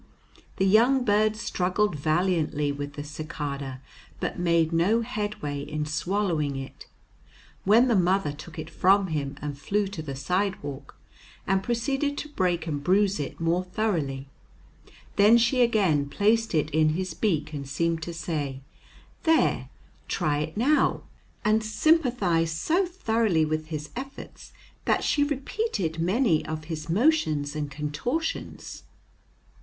The young bird struggled valiantly with the cicada, but made no headway in swallowing it, when the mother took it from him and flew to the sidewalk, and proceeded to break and bruise it more thoroughly. Then she again placed it in his beak, and seemed to say, "There, try it now," and sympathized so thoroughly with his efforts that she repeated many of his motions and contortions.